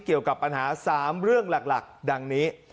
เกี่ยวกับปัญหา๓เรื่องหลักดังนี้